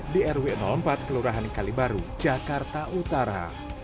di rw empat kelurahan kalibaru jakarta utara